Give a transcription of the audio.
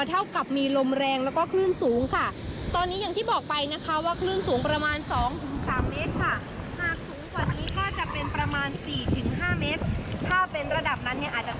เท่ากับมีลมแรงแล้วก็คลื่นสูงค่ะตอนนี้อย่างที่บอกไปนะคะว่าคลื่นสูงประมาณ๒๓เมตรค่ะ